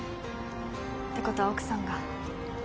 ってことは奥さんが。